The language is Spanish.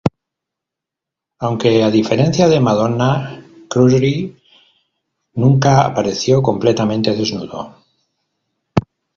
Aunque, a diferencia de Madonna, Krusty nunca apareció completamente desnudo.